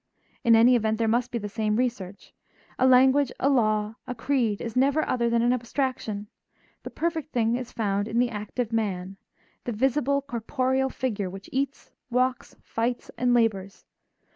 In any event, there must be the same research. A language, a law, a creed, is never other than an abstraction; the perfect thing is found in the active man, the visible corporeal figure which eats, walks, fights, and labors.